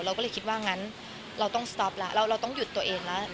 เราก็เลยคิดว่างั้นเราต้องหยุดตัวเองแล้ว